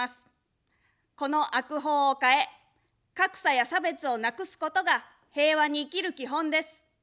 この悪法を変え、格差や差別をなくすことが平和に生きる基本です。